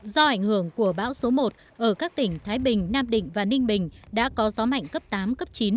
do ảnh hưởng của bão số một ở các tỉnh thái bình nam định và ninh bình đã có gió mạnh cấp tám cấp chín